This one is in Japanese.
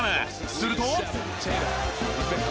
すると。